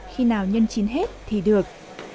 khi nào nhân chín hết thì được